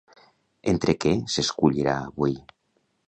Entre què s'escollirà avui?